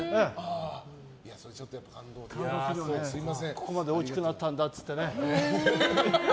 ここまで大きくなったんだっていってね。